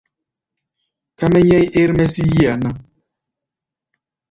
Ká mɛ́ nyɛ̧́í̧ ér-mɛ́ sí yí-a ná.